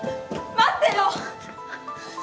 待ってよ。